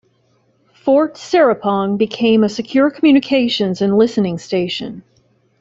Fort Serapong became a secure communications and listening station.